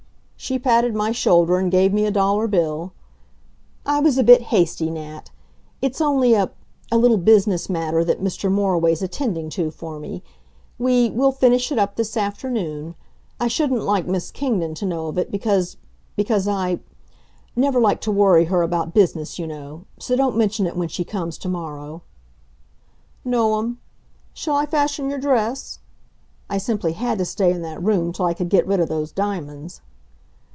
she patted my shoulder and gave me a dollar bill. "I was a bit hasty, Nat. It's only a a little business matter that Mr. Moriway's attending to for me. We we'll finish it up this afternoon. I shouldn't like Miss Kingdon to know of it, because because I never like to worry her about business, you know. So don't mention it when she comes to morrow." "No'm. Shall I fasten your dress?" I simply had to stay in that room till I could get rid of those diamonds.